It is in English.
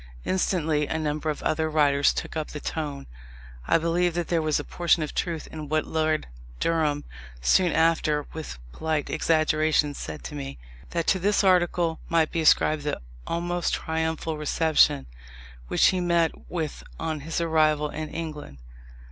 Instantly a number of other writers took up the tone: I believe there was a portion of truth in what Lord Durham, soon after, with polite exaggeration, said to me that to this article might be ascribed the almost triumphal reception which he met with on his arrival in England.